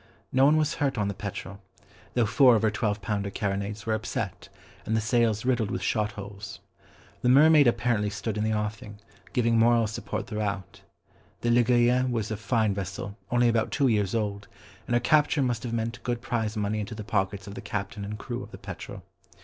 No one was hurt on the Petrel, though four of her twelve pounder carronades were upset, and the sails riddled with shot holes. The Mermaid apparently stood in the offing, giving moral support throughout. The Ligurienne was a fine vessel, only about two years old, and her capture must have meant good prize money into the pockets of the captain and crew of the Petrel.